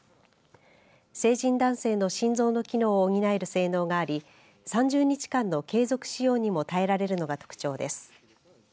成人男性の心臓の機能を補える性能があり３０日間の継続使用にも耐えられるのが特徴です。